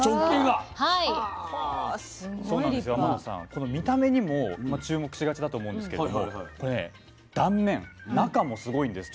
この見た目にも注目しがちだと思うんですけれどもこれね断面中もすごいんです。